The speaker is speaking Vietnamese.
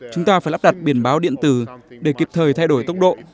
chúng ta phải lắp đặt biển báo điện tử để kịp thời thay đổi tốc độ